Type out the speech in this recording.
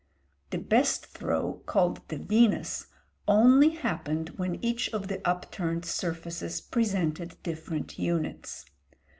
The best throw, called the Venus, only happened when each of the upturned surfaces presented different units.